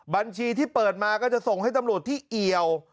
บัญชีที่เปิดมาก็จะส่งให้ตำรวจที่เอี่ยว